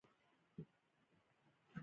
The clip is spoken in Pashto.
کچالو د ډوډۍ خوندور ملګری دی